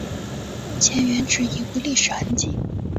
目前原址已无历史痕迹。